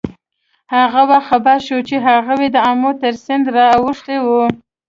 هغه وخت خبر شو چې هغوی د آمو تر سیند را اوښتي وو.